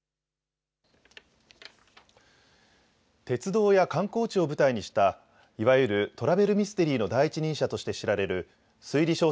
鉄道や観光地を舞台にしたいわゆるトラベルミステリーの第一人者として知られる推理